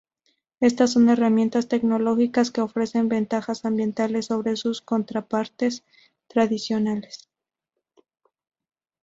Estas son herramientas tecnológicas que ofrecen ventajas ambientales sobre sus contrapartes tradicionales.